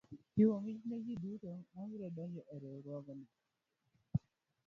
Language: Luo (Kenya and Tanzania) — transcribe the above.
Chiwo mich ne ji duto ma biro donjo e riwruogno.